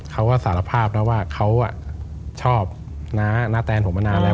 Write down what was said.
เขาก็สารภาพแล้วว่าเขาชอบน้าณแตนผมมานานแล้ว